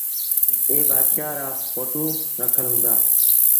ائيٚݩ بآشآهآن رآ ڦوٽو رکل هُݩدآ۔